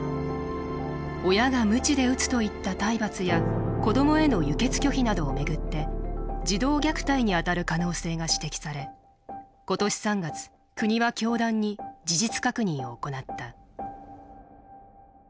親がむちで打つといった体罰や子供への輸血拒否などを巡って児童虐待にあたる可能性が指摘され今年３月国は教団に事実確認を行った。